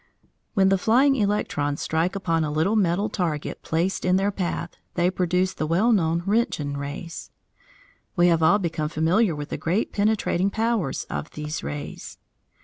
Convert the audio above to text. When the flying electrons strike upon a little metal target placed in their path, they produce the well known Roentgen rays. We have all become familiar with the great penetrating powers of these rays.